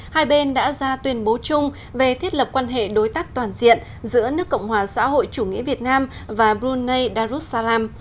hai bên đã ra tuyên bố chung về thiết lập quan hệ đối tác toàn diện giữa nước cộng hòa xã hội chủ nghĩa việt nam và brunei darussalam